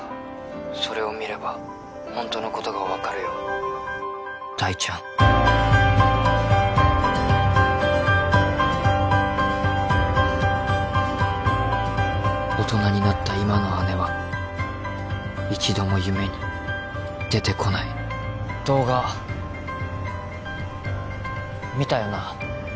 ☎それを見ればホントのことが分かるよ☎大ちゃん大人になった今の姉は一度も夢に出てこない動画見たよな？